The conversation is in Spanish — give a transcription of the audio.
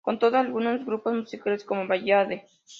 Con todo, algunos grupos musicales como Ballade!